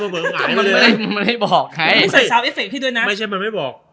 เพราะมันหายไปเลยมันไม่บอกมันไม่ใส่พี่ด้วยน่ะไม่ใช่มันไม่บอก